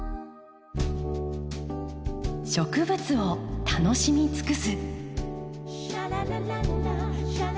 植物を楽しみ尽くす。